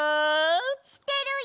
してるよ！